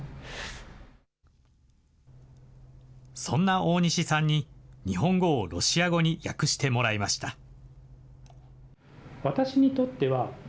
そんな大西さんに、日本語をロシア語に訳してもらいました。